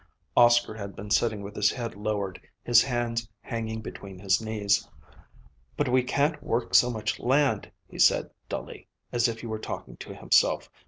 Oscar had been sitting with his head lowered, his hands hanging between his knees. "But we can't work so much land," he said dully, as if he were talking to himself.